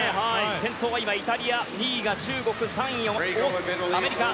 先頭は今、イタリア２位が中国３位、アメリカ。